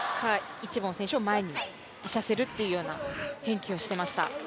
一凡選手を前にいさせるというような返球をしていました。